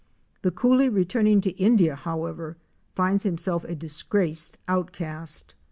The coolie returning to India, however, finds himself a disgraced outcast.